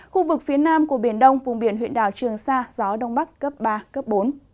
khu vực phía nam của biển đông vùng biển huyện đảo trường sa gió đông bắc cấp ba bốn